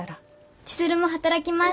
千鶴も働きます。